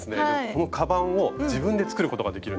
このカバンを自分で作ることができるんですよ。